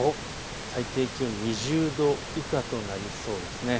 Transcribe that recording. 最低気温、２０度以下となりそうです。